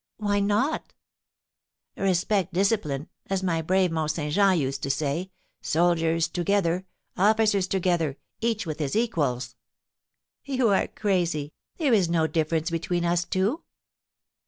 "Why not?" "Respect discipline, as my brave Mont Saint Jean used to say; soldiers together, officers together, each with his equals." "You are crazy; there is no difference between us two."